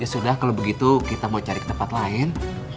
ya sudah kalau begitu kita mau cari ke tempat lain